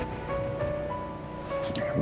sudah saya kirim